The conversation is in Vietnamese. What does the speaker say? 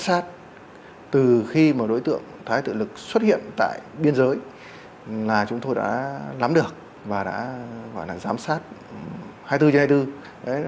bám rất sát từ khi một đối tượng thái tự lực xuất hiện tại biên giới là chúng tôi đã nắm được và đã giám sát hai mươi bốn trên hai mươi bốn